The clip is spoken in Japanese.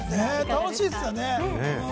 楽しいですよね。